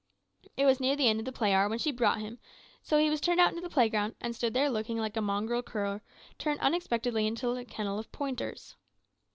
"It was near the end of play hour when she brought him, so he was turned out into the playground, and stood there looking like a mongrel cur turned unexpectedly into a kennel of pointers.